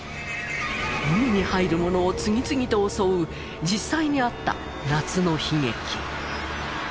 海に入る者を次々と襲う実際にあった夏の悲劇。